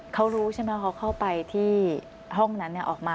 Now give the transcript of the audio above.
เขารู้ใช่ไหมว่าเขาเข้าไปที่ห้องนั้นออกมา